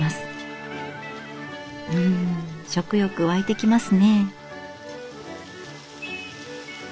うん食欲湧いてきますね。